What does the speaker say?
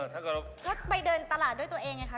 ถ้าไปเดินตลาดด้วยตัวเองค่ะ